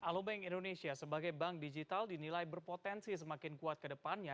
alobank indonesia sebagai bank digital dinilai berpotensi semakin kuat ke depannya